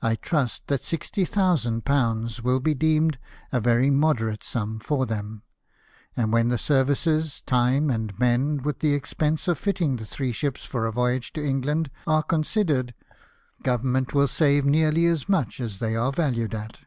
I trust that £60,000 will be deemed a very moderate sum for them ; and when the services, time, and men, with the expense of fitting the three ships for a voyage to England, are considered, Government will save nearly as much as they are valued at.